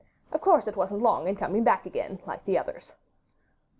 Of course, it wasn't long in coming back again, like the others.